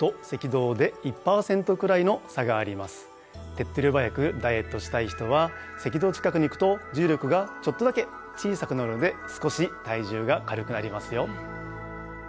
手っとり早くダイエットしたい人は赤道近くに行くと重力がちょっとだけ小さくなるので少し体重が軽くなりますよ。